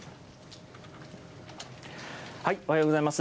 おはようございます。